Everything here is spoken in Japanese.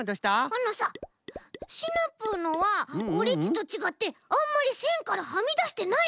あのさシナプーのはオレっちとちがってあんまりせんからはみだしてないよ。